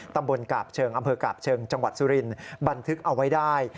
ตำบลกาบเชิงอำเภอกาบเชิงจังหวัดสุรินบันทึกเอาไว้ได้